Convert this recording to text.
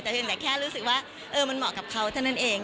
แต่เพียงแต่แค่รู้สึกว่ามันเหมาะกับเขาเท่านั้นเอง